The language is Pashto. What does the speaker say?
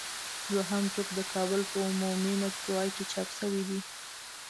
دوهم ټوک د کابل په عمومي مطبعه کې چاپ شوی دی.